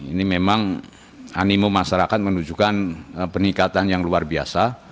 ini memang animo masyarakat menunjukkan peningkatan yang luar biasa